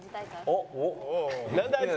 おっ。